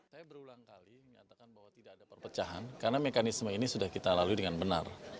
saya berulang kali menyatakan bahwa tidak ada perpecahan karena mekanisme ini sudah kita lalui dengan benar